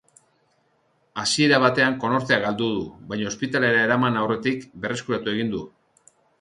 Hasiera batean konortea galdu du, baina ospitalera eraman aurretik berreskuratu egin du.